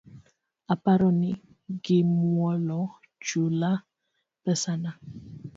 Aparo ni gi mwolo, chula pesana